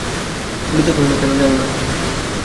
ললিতা কহিল, কেন হবে না?